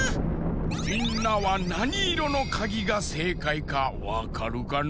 みんなはなにいろのかぎがせいかいかわかるかのう？